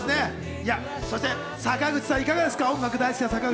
そして坂口さん、いかがですか？